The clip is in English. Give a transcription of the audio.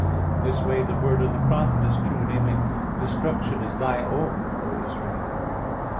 In this way, the word of the prophet is true namely, "Destruction is thy own, O Israel."